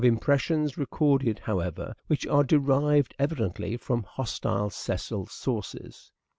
pressions recorded, however, which are derived evidently from hostile Cecil sources.